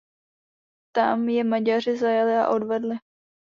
Tam je Maďaři zajali a odvedli.